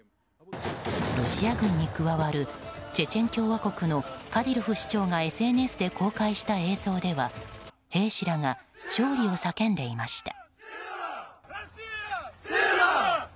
ロシア軍に加わるチェチェン共和国のカディロフ首長がＳＮＳで公開した映像では兵士らが勝利を叫んでいました。